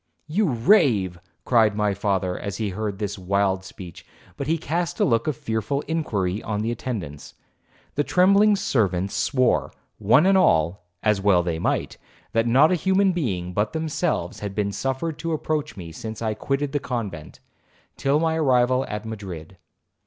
'You rave,' cried my father, as he heard this wild speech, but he cast a look of fearful inquiry on the attendants. The trembling servants swore, one and all, as well they might, that not a human being but themselves had been suffered to approach me since I quitted the convent, till my arrival at Madrid.